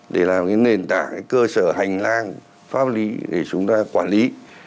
để làm cái nền tảng cơ sở hành lang pháp lý để chúng ta quản lý